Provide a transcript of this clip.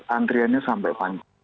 antriannya sampai panjang